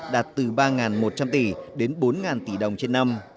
đạt từ ba một trăm linh tỷ đến bốn tỷ đồng trên năm